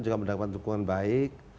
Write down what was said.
juga mendapatkan dukungan baik